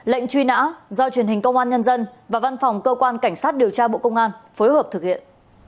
lệnh truy nã do truyền hình công an nhân dân và văn phòng cơ quan cảnh sát điều tra bộ công an phối hợp thực hiện